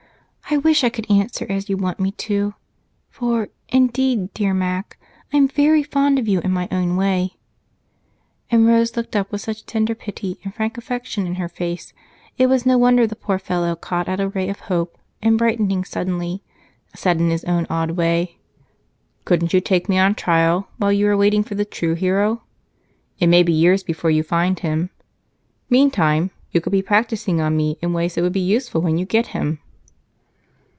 I wish I could answer you as you want me to for, indeed, dear Mac, I'm very fond of you in my own way," and Rose looked up with such tender pity and frank affection in her face, it was no wonder the poor fellow caught at a ray of hope and, brightening suddenly, said in his own odd way: "Couldn't you take me on trial while you are waiting for a true hero? It may be years before you find him; meantime, you could be practicing on me in ways that would be useful when you get him."